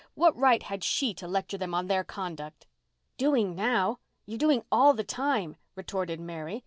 What right had she to lecture them on their conduct? "Doing now! You're doing all the time," retorted Mary.